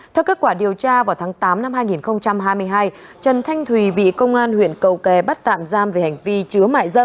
theo kết quả điều tra vào tháng tám năm hai nghìn hai mươi hai trần thanh thùy bị công an huyện cầu kè bắt tạm giam về hành vi chứa mại dâm